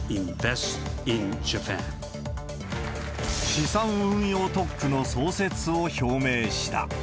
資産運用特区の創設を表明した。